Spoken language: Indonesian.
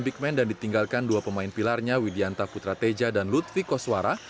pemain big man dan ditinggalkan dua pemain pilarnya widianta putrateja dan lutfi koswara